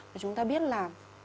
và chúng ta biết là